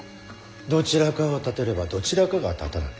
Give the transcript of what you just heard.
どちらかを立てればどちらかが立たぬ。